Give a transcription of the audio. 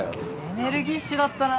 エネルギッシュだったな。